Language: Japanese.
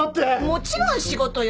もちろん仕事よ。